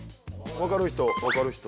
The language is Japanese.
わかる人？